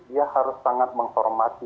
dia harus sangat mengformasi